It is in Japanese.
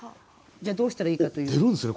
じゃあどうしたらいいかというと。